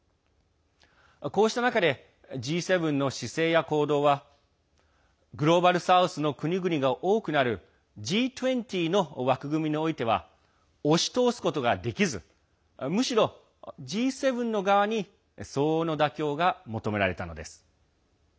こうした中でＧ７の姿勢や行動はグローバル・サウスの国々が多くなるＧ２０の枠組みにおいては押し通すことができずむしろＧ７の側に相応の妥協が求められたのです。